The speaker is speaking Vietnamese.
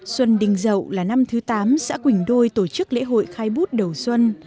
xuân đình dậu là năm thứ tám xã quỳnh đôi tổ chức lễ hội khai bút đầu xuân